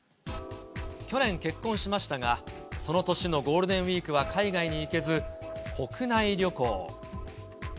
去年、結婚しましたが、その年のゴールデンウィークは海外に行けず、国内旅行。